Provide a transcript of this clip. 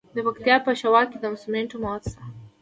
د پکتیا په شواک کې د سمنټو مواد شته.